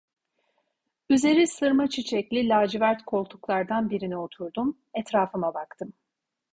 Üzeri sırma çiçekli lacivert koltuklardan birine oturdum, etrafıma baktım.